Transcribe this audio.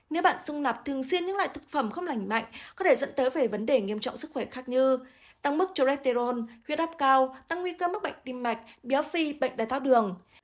nếu bạn dùng nạp thường xuyên những loại thực phẩm không lành mạnh có thể dẫn tới về vấn đề nghiêm trọng sức khỏe khác như tăng mức cholesterol khuyết áp cao tăng nguy cơ mức bệnh tim mạch bió phi bệnh đại táo đường